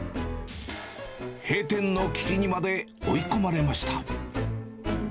閉店の危機にまで追い込まれました。